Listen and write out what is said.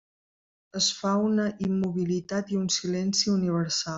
Es fa una immobilitat i un silenci universals.